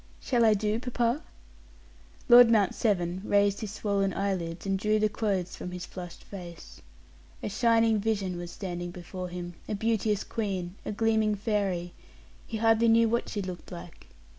"Shall I do, papa?" Lord Mount Severn raised his swollen eyelids and drew the clothes from his flushed face. A shining vision was standing before him, a beauteous queen, a gleaming fairy; he hardly knew what she looked like.